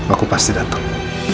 aku pasti datang